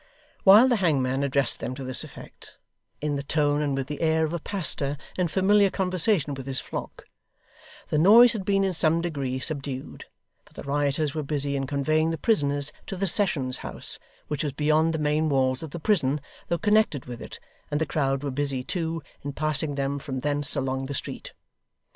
While the hangman addressed them to this effect, in the tone and with the air of a pastor in familiar conversation with his flock, the noise had been in some degree subdued; for the rioters were busy in conveying the prisoners to the Sessions House, which was beyond the main walls of the prison, though connected with it, and the crowd were busy too, in passing them from thence along the street.